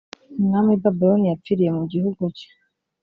umwami w i babuloni yapfiriye mu gihugu cye.